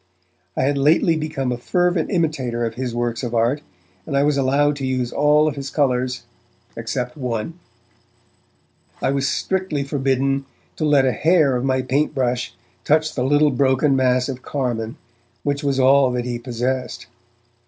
I had lately become a fervent imitator of his works of art, and I was allowed to use all of his colours, except one; I was strictly forbidden to let a hair of my paint brush touch the little broken mass of carmine which was all that he possessed.